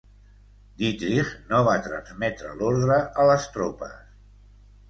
Dietrich no va transmetre l'ordre a les tropes.